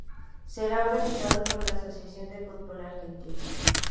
Será organizado por la Asociación del Fútbol Argentino.